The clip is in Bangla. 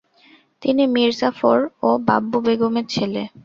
তিনি মীর জাফর ও বাব্বু বেগমের ছেলে।